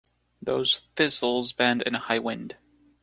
Those thistles bend in a high wind.